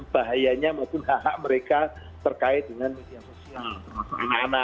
bahayanya maupun hak hak mereka terkait dengan media sosial